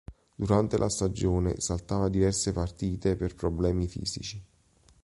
Durante la stagione salta diverse partite per problemi fisici.